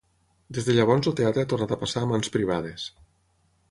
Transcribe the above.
Des de llavors el teatre ha tornat a passar a mans privades.